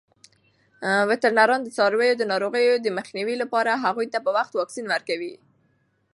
وترنران د څارویو د ناروغیو د مخنیوي لپاره هغوی ته په وخت واکسین ورکوي.